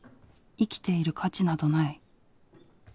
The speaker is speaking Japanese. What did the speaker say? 生きている価値などない。